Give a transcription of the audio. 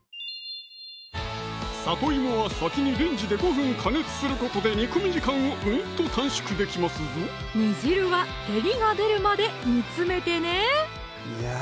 さといもは先にレンジで５分加熱することで煮込み時間をうんと短縮できますぞ煮汁は照りが出るまで煮詰めてねいや